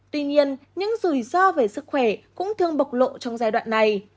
tuy nhiên những rủi ro về sức khỏe cũng thường bộc lộ trong giai đoạn này